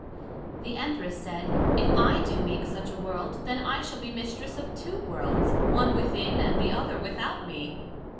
The Empress said, If I do make such a world, then I shall be Mistress of two Worlds, one within, and the other without me.